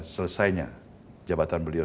selesainya jabatan beliau